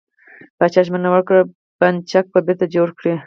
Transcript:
پاچا ژمنه وکړه، بند چک به بېرته جوړ کړي .